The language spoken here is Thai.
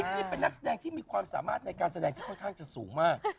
นี่เป็นนักแสดงที่มีความสามารถในการแสดงที่ค่อนข้างจะสูงมาก